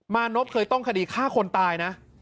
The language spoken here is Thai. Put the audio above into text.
มานพเคยต้องคดีฆ่าคนตายนะ